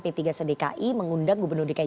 p tiga sedekai mengundang gubernur dki